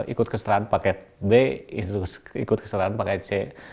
ikut kesetaraan paket b ikut kesetaraan paket c